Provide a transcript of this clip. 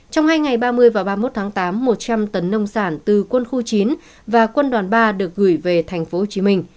trong hai ngày ba mươi và ba mươi một tháng tám một trăm linh tấn nông sản từ quân khu chín và quân đoàn ba được gửi về tp hcm